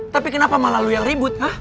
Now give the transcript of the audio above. tapi kenapa malah lo yang ribut